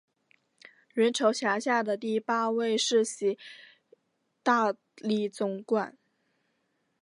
元朝辖下的第八位世袭大理总管。